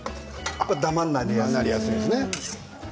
ダマになりやすいですね。